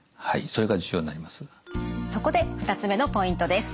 そこで２つ目のポイントです。